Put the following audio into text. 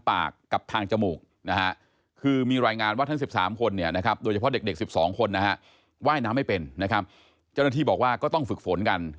ปากกับทางจมูกน่าฮะคือมีรายงานว่าทั้งสิบสามคนโดยเฉพาะ